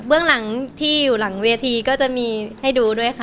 หลังที่อยู่หลังเวทีก็จะมีให้ดูด้วยค่ะ